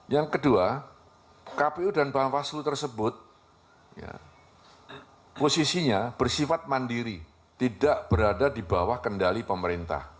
yang kedua kpu dan bawaslu tersebut posisinya bersifat mandiri tidak berada di bawah kendali pemerintah